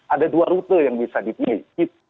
ada dua rute yang bisa dipilih